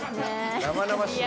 生々しい。